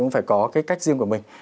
phải có cái cách riêng của mình